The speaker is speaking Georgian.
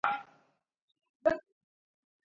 მდებარეობს სკანდინავიის მთებში.